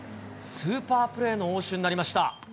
スーパープレーの応酬になりました。